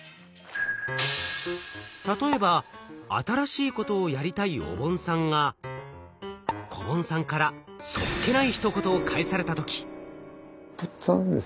例えば新しいことをやりたいおぼんさんがこぼんさんからそっけないひと言を返された時。